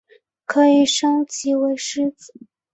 可以升级为狮子。